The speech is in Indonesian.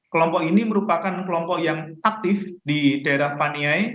kelompok ini merupakan kelompok yang aktif di daerah paniai